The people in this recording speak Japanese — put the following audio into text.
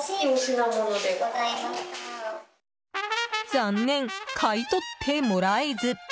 残念、買い取ってもらえず！